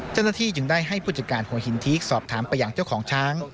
เจ้าหน้าที่จึงได้ให้ผู้จัดการหัวหินทีกสอบถามไปอย่างเจ้าของช้าง